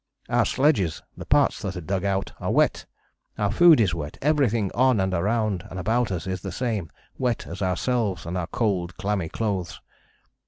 Our sledges the parts that are dug out are wet, our food is wet, everything on and around and about us is the same wet as ourselves and our cold, clammy clothes.